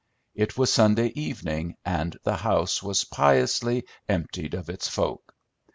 It was Sunday evening, and the house was piously "emptied of its folk."